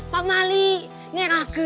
pak mali ngerage